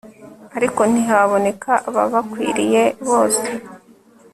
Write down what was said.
ariko ntihaboneka ababakwiriye bose